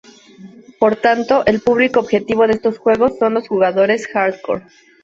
Por tanto, el público objetivo de estos juegos son los jugadores hardcore.